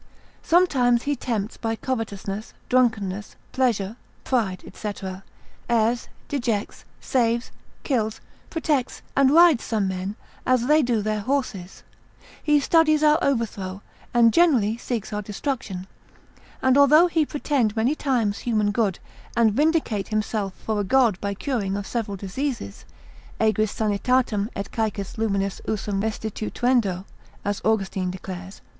Sometimes he tempts by covetousness, drunkenness, pleasure, pride, &c., errs, dejects, saves, kills, protects, and rides some men, as they do their horses. He studies our overthrow, and generally seeks our destruction; and although he pretend many times human good, and vindicate himself for a god by curing of several diseases, aegris sanitatem, et caecis luminis usum restituendo, as Austin declares, lib.